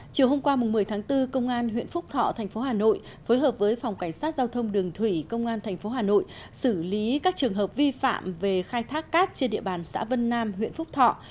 chiều hôm qua một mươi tháng bốn công an huyện phúc thọ thành phố hà nội phối hợp với phòng cảnh sát giao thông đường thủy công an tp hà nội xử lý các trường hợp vi phạm về khai thác cát trên địa bàn xã vân nam huyện phúc thọ